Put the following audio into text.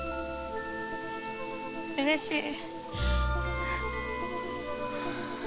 うれしい。